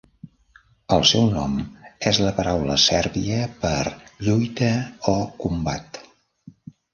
El seu nom és la paraula sèrbia per "lluita" o "combat".